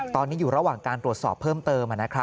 ตอนนี้อยู่ระหว่างการตรวจสอบเพิ่มเติม